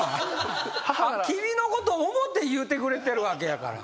君のことを思って言うてくれてるわけやから。